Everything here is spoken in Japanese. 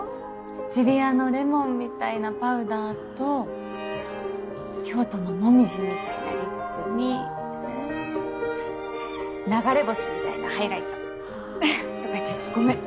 シチリアのレモンみたいなパウダーと京都の紅葉みたいなリップにえ流れ星みたいなハイライト。とか言ってごめん。